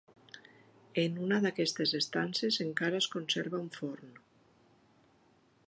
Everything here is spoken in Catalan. En una d'aquestes estances encara es conserva un forn.